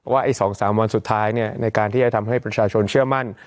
ไอ้๒๓วันสุดท้ายในการที่จะทำให้ประชาชนเชื่อมั่น